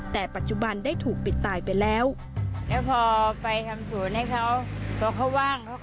แต่ปัจจุบันได้ถูกปิดตายไปแล้ว